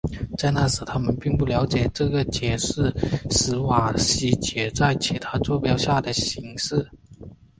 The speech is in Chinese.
在那时他们并不了解这个解是史瓦西解在其他座标下的形式。